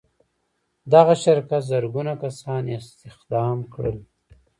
دغه شرکت زرګونه کسان استخدام کړل